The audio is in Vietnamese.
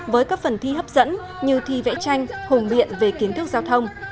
với các phần thi hấp dẫn như thi vẽ tranh hùng biện về kiến thức giao thông